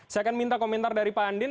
saya akan minta komentar dari pak andin